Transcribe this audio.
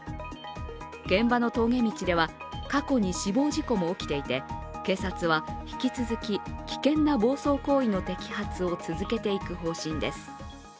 現場の峠道では、過去に死亡事故も起きていて警察は、引き続き危険な暴走行為の摘発を続けていく方針です。